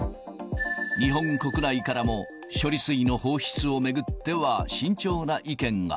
日本国内からも、処理水の放出を巡っては慎重な意見が。